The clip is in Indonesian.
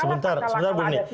sebentar sebentar bu reni